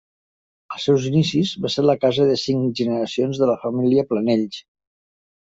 Als seus inicis va ser la casa de cinc generacions de la família Planells.